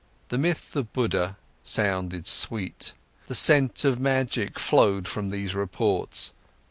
The myth of Buddha sounded sweet. The scent of magic flowed from these reports.